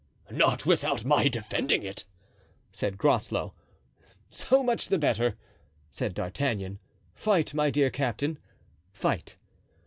"Not without my defending it," said Groslow. "So much the better," said D'Artagnan. "Fight, my dear captain, fight.